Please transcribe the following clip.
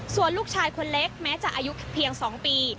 ส่วนลูกชายคนเล็กแม้จะอายุเพียง๒ปี